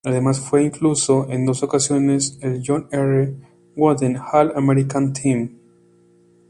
Además, fue incluido en dos ocasiones en el John R. Wooden All-America Team.